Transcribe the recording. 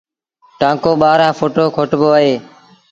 ٽآنڪو ٻآهرآن ڦٽ کوٽبو اهي۔